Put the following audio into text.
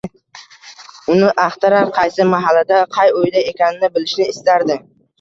uni axtarar, qaysi mahallada, qay uyda ekanini bilishni istardi.